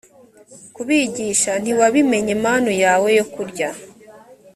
kubigisha ntiwabimye manu yawe yo kurya